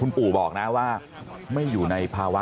ลูกสาวหลายครั้งแล้วว่าไม่ได้คุยกับแจ๊บเลยลองฟังนะคะ